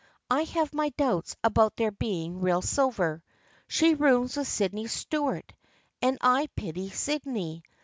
I have my doubts about their being real silver. She rooms with Sydney Stuart and I pity Sydney.